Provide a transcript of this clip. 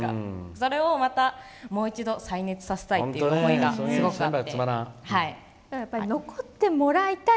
それをまたもう一度再燃させたいという思いがあって。